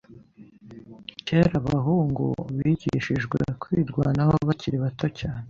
Kera, abahungu bigishijwe kwirwanaho bakiri bato cyane.